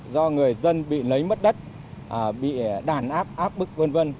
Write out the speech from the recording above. do người dân bị lấy mất đất bị đàn áp áp bức v v